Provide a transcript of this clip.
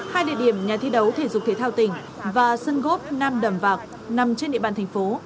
hai địa điểm nhà thi đấu thể dục thể thao tỉnh và sân gốc nam đầm vạc nằm trên địa bàn thành phố